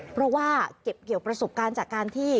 เพราะว่าเก็บเกี่ยวประสบการณ์จากการที่